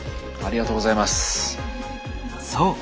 ありがとうございます。